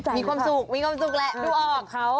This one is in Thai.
มีความสุขมีความสุขแหละดูออก